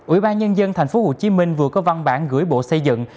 ủy ban nhân dân tp hcm vừa có văn bản gửi bộ xây dựng